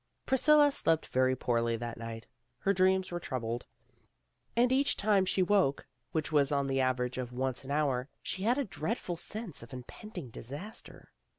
Priscilla slept very poorly that night. Her dreams were troubled. And each time she woke, which was on the average of once an hour, she had a dreadful sense of impending disaster.